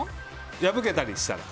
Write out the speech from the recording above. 破けたりしたら。